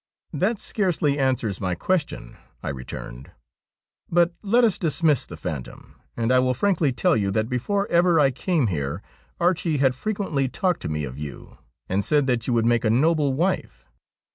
' That scarcely answers my question,' I returned. ' But let us dismiss the phantom, and I will frankly tell you that before ever I came here Archie has frequently talked to me of you, and said that you would make a noble wife.